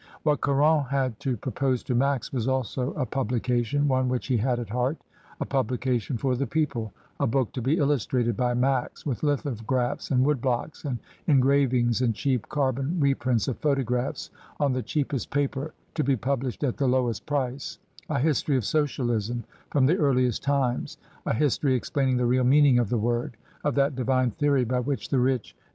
What Caron had to propose to Max was also a publication, one which he had a:t heart. A publica tion for the people, a book to be illustrated by Max, with lithographs and wood blocks and en gravings and cheap carbon reprints of photographs, on the cheapest paper, to be published at the lowest price — a history of Socialism from the earliest times, a history explaining the real meaning of the word, of that divine theory by which the rich and MONSIEUR CARON'S fflSTORY OF SOCIALISM.